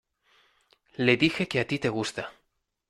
le dije que a ti te gusta